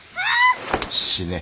死ね。